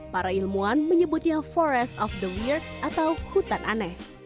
para ilmuwan menyebutnya forest of the year atau hutan aneh